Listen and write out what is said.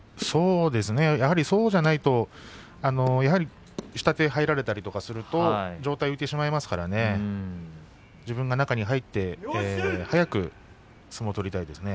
やはりそうじゃないとやはり下手に入られたりすると上体が浮いてしまいますからね自分が中に入って早く相撲を取りたいですね。